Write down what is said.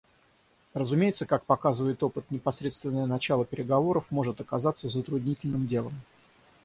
Разумеется, как показывает опыт, непосредственное начало переговоров может оказаться затруднительным делом.